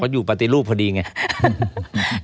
อยู่ปฏิรูปพอดีไง